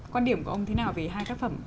quan điểm của ông thế nào về hai tác phẩm